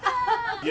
いや